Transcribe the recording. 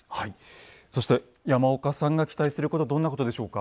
そして山岡さんが期待することどんなことでしょうか。